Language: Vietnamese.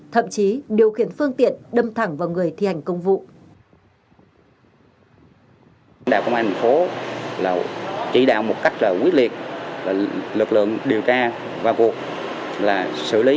thậm chí điều khiển phương tiện đâm thẳng vào người thi hành công vụ